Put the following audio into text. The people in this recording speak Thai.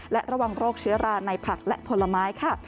และระวังโรคเชื้อราในผักและผลไม้ค่ะ